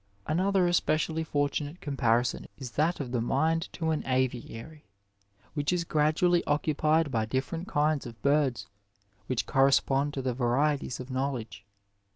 Another especially fortunate comparison is that of the mind to an aviary which is gradually occupied by different kinds of birds, which correspond to the varieties of know ledge.